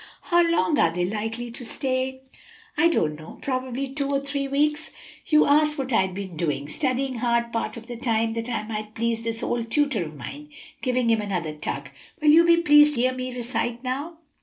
"How long are they likely to stay?" "I don't know; probably two or three weeks." "You asked what I'd been doing. Studying hard part of the time, that I might please this old tutor of mine," giving him another tug. "Will you be pleased to hear me recite now?"